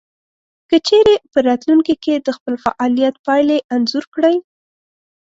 که چېرې په راتلونکې کې د خپل فعاليت پايلې انځور کړئ.